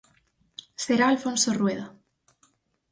Será Alfonso Rueda.